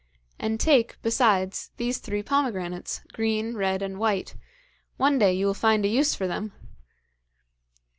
And take, besides, these three pomegranates, green, red and white. One day you will find a use for them!'